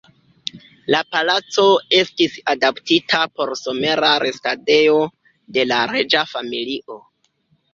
La palaco estis adaptita por somera restadejo de la reĝa familio.